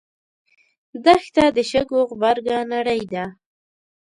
دښته د شګو غبرګه نړۍ ده.